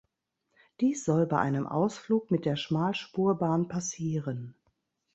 Dies soll bei einem Ausflug mit der Schmalspurbahn passieren.